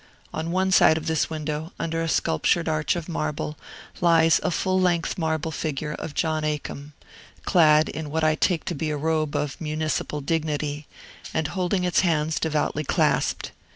On one side of this window, under a sculptured arch of marble, lies a full length marble figure of John a' Combe, clad in what I take to be a robe of municipal dignity, and holding its hands devoutly clasped.